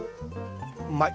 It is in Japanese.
うまい。